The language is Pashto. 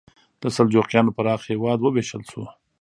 د سلجوقیانو پراخ هېواد وویشل شو.